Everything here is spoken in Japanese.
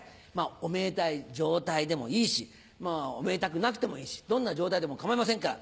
おめでたい状態でもいいしまぁおめでたくなくてもいいしどんな状態でも構いませんから。